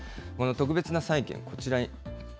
この特別な債券、こちらに。